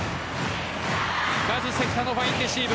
まず関田のファインレシーブ。